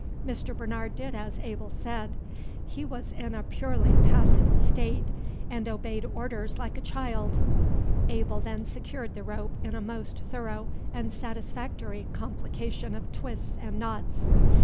Mr. Bernard did as Abel said; he was in a purely passive state, and obeyed orders like a child. Abel then secured the rope in a most thorough and satisfactory complication of twists and knots.